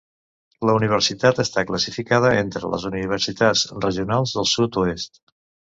La universitat està classificada entre les universitats regionals del sud-oest.